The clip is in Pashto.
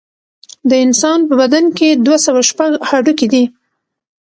د انسان په بدن کې دوه سوه شپږ هډوکي دي